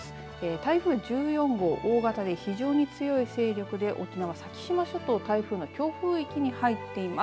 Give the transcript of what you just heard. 台風１４号大型で非常に強い勢力で沖縄、先島諸島台風の強風域に入っています。